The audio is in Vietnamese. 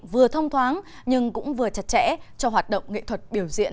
vừa thông thoáng nhưng cũng vừa chặt chẽ cho hoạt động nghệ thuật biểu diễn